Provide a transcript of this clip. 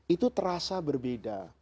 itu terasa berbeda